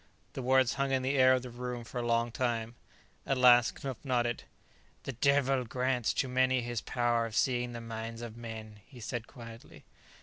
The words hung in the air of the room for a long time. At last Knupf nodded. "The Devil grants to many his power of seeing the minds of men," he said quietly.